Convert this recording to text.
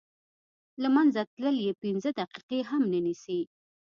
له منځه تلل یې پنځه دقیقې هم نه نیسي.